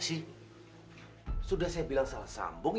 sudah saya bilang salah sambung